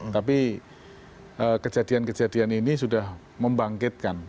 tapi kejadian kejadian ini sudah membangkitkan